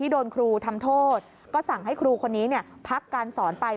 โดนครูทำโทษก็สั่งให้ครูคนนี้พักการสอนไป